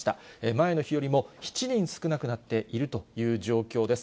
前の日よりも７人少なくなっているという状況です。